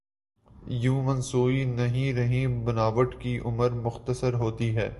یوں مصنوعی نہیں رہیں بناوٹ کی عمر مختصر ہوتی ہے۔